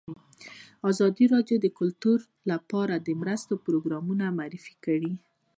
ازادي راډیو د کلتور لپاره د مرستو پروګرامونه معرفي کړي.